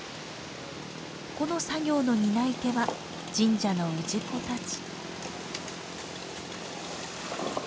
この作業の担い手は神社の氏子たち。